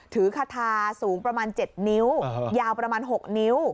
คาทาสูงประมาณ๗นิ้วยาวประมาณ๖นิ้ว